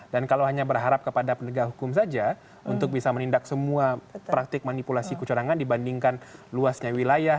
dan kalau hanya berharap kepada pendegah hukum saja untuk bisa menindak semua praktik manipulasi kecurangan dibandingkan luasnya wilayah